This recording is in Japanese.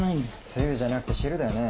つゆじゃなくて汁だよね？